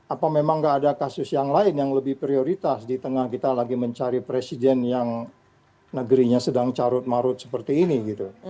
apa memang nggak ada kasus yang lain yang lebih prioritas di tengah kita lagi mencari presiden yang negerinya sedang carut marut seperti ini gitu